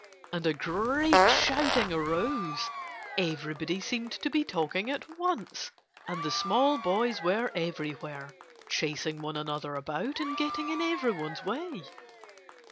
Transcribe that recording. And a great shouting arose. Everybody seemed to be talking at once. And the small boys were everywhere, chasing one another about and getting in everyone's way.